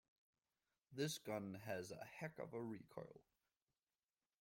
This gun has a heck of a recoil.